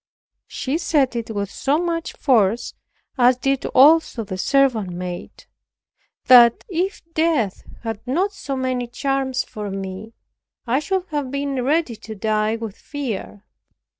She said it with so much force, as did also the servant maid, that, if death had not so many charms for me, I should have been ready to die with fear.